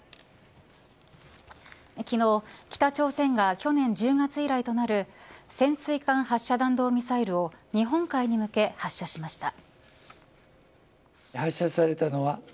昨日、北朝鮮が去年１０月以来となる潜水艦発射弾道ミサイルを日本海に向け発射しました。